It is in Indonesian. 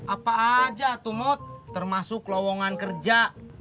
apa aja tuh mot termasuk lowongan kerja